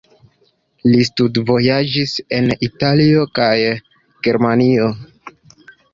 Li studvojaĝis en Italio kaj Germanio.